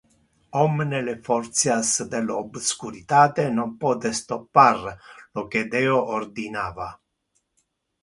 Omne le fortias del obscuritate non pote stoppar lo que Deo ordinava.